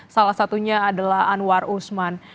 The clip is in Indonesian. salah satunya adalah anwar usman